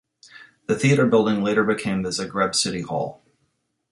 The theatre building later became the Zagreb City Hall.